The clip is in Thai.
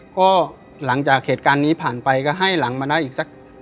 ก็หลังจากเหตุการณ์นี้ผ่านไปก็ให้หลังมาได้อีกสัก